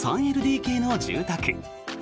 ３ＬＤＫの住宅。